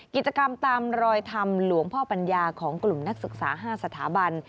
กิจกรรมตามรอยธรรมหลวงพ่อปัญญาของกลุ่มนักศึกษา๕สถาบัน